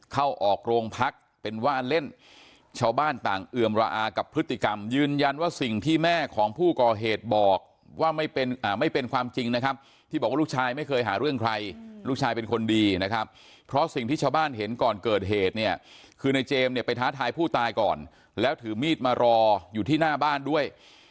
เข้าออกโรงพักเป็นว่าเล่นชาวบ้านต่างเอือมระอากับพฤติกรรมยืนยันว่าสิ่งที่แม่ของผู้ก่อเหตุบอกว่าไม่เป็นไม่เป็นความจริงนะครับที่บอกว่าลูกชายไม่เคยหาเรื่องใครลูกชายเป็นคนดีนะครับเพราะสิ่งที่ชาวบ้านเห็นก่อนเกิดเหตุเนี่ยคือในเจมส์เนี่ยไปท้าทายผู้ตายก่อนแล้วถือมีดมารออยู่ที่หน้าบ้านด้วย